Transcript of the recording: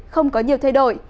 không có nhiều thay đổi